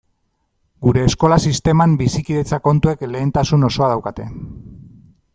Gure eskola sisteman bizikidetza kontuek lehentasun osoa daukate.